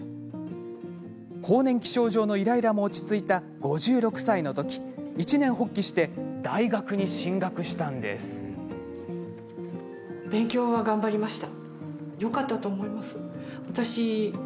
更年期症状のイライラも落ち着いた５６歳の時一念発起して大学に進学しました。